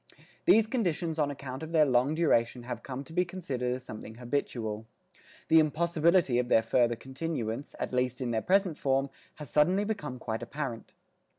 These conditions on account of their long duration have come to be considered as something habitual. The impossibility of their further continuance, at least in their present form, has suddenly become quite apparent.